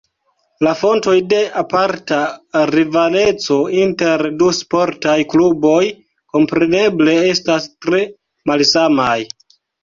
La fontoj de aparta rivaleco inter du sportaj kluboj kompreneble estas tre malsamaj.